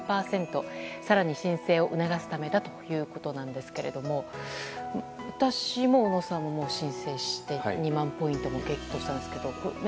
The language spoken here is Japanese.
更に申請を促すためだということですが私も小野さんも申請して２万ポイントもゲットしたんですけど。